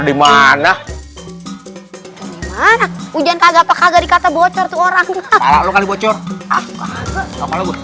di mana ujian kagak kagak dikata bocor tuh orang